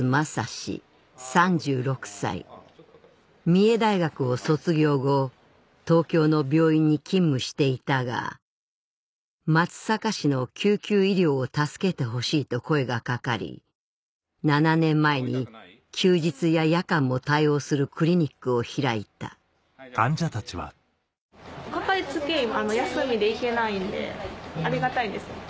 三重大学を卒業後東京の病院に勤務していたが松阪市の救急医療を助けてほしいと声が掛かり７年前に休日や夜間も対応するクリニックを開いたかかりつけ医休みで行けないんでありがたいです。